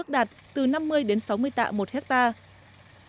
đạt từ năm mươi đến sáu mươi tạ một hectare